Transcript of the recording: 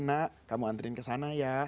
nak kamu antriin kesana ya